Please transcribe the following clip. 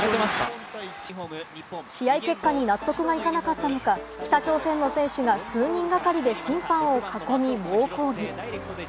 試合結果に納得がいかなかったのか、北朝鮮の選手が数人がかりで審判を囲み、猛抗議。